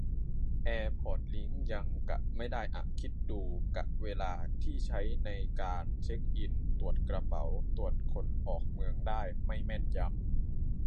แอร์พอร์ตลิงก์ยังกะไม่ได้อะ คิดดู กะเวลาที่ใช้ในการเช็คอิน-ตรวจกระเป๋า-ตรวจคนออกเมืองได้ไม่แม่นยำ